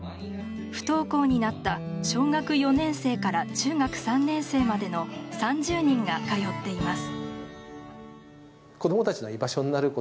不登校になった小学４年生から中学３年生までの３０人が通っています。